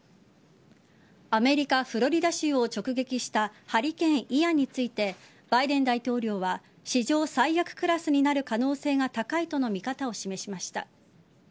アメリカ・フロリダ州を直撃したハリケーン・イアンについてバイデン大統領は史上最悪クラスになる可能性が高いとの見方を示しました。